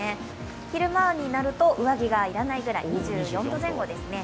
昼間になると上着が要らないぐらい、２４度前後ですね。